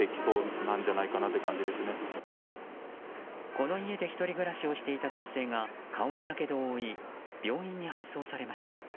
この家で１人暮らしをしていた男性が顔にやけどを負い病院に搬送されました。